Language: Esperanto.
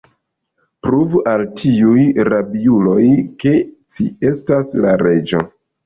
Pruvu al tiuj rabiuloj, ke ci estas la Reĝo!